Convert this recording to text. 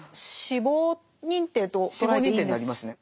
死亡認定になりますね。